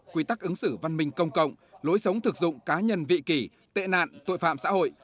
quy tắc ứng xử văn minh công cộng lối sống thực dụng cá nhân vị kỳ tệ nạn tội phạm xã hội